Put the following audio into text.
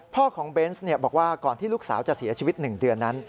พ่อของเบนส์บอกว่าก่อนที่ลูกสาวจะเสียชีวิต๑เดือนนั้น